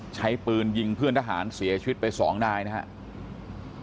ใช้ปืนยิงเพื่อนทหารเสียชีวิตไปสองนายนะครับ